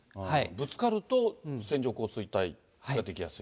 ぶつかると線状降水帯ができやすい？